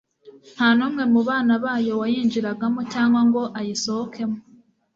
nta n'umwe mu bana bayo wayinjiragamo cyangwa ngo ayisohokemo